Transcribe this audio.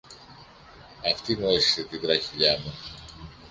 Αυτή μου έσχισε την τραχηλιά μου!